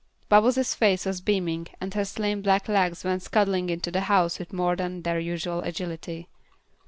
Bubbles' face was beaming, and her slim, black legs went scudding into the house with more than their usual agility.